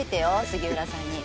杉浦さんに。